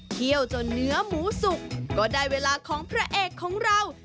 เคี่ยวจนเนื้อหมูสุกก็ได้เวลาของพระเอกของเรา